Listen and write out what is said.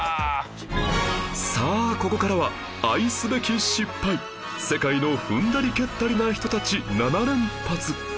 さあここからは愛すべき失敗世界の踏んだり蹴ったりな人たち７連発